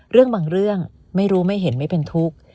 เรื่องบางเรื่องไม่รู้ไม่เห็นไม่เป็นทุกข์